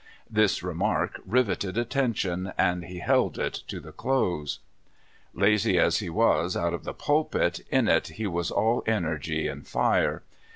This remark riveted attention, and he held it to the close. Lazy as he was out of the pulpit, in it he was all energy and fire.